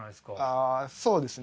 あそうですね。